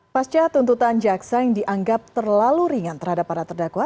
pasca tuntutan jaksa yang dianggap terlalu ringan terhadap para terdakwa